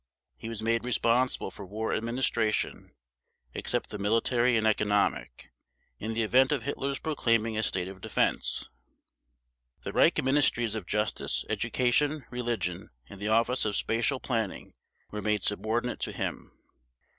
He was made responsible for war administration, except the military and economic, in the event of Hitler's proclaiming a state of defense. The Reich Ministries of Justice, Education, Religion, and the Office of Spatial Planning were made subordinate to him.